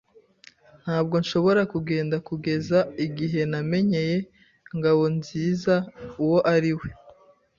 Ntabwo nshobora kugenda kugeza igihe namenyeye Ngabonziza uwo ari we.